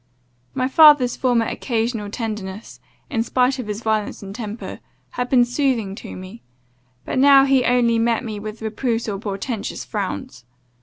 My father's former occasional tenderness, in spite of his violence of temper, had been soothing to me; but now he only met me with reproofs or portentous frowns.